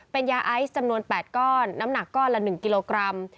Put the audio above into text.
เป็นยาไอซ์จำนวน๘ก้อนน้ำหนักก้อนละ๑กิโลกรัม